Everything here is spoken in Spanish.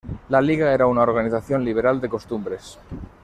La liga era una organización liberal de costumbres.